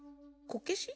こけし？